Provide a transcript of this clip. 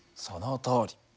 そのとおり。